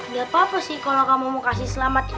gak apa apa sih kalau kamu mau kasih selamat